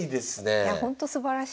いやほんとすばらしい。